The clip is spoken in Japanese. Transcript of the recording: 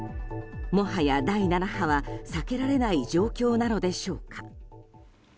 もはや、第７波は避けられない状況なのでしょうか。